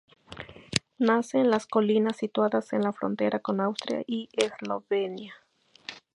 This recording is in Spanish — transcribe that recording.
Nace en las colinas situadas en la frontera con Austria y Eslovenia.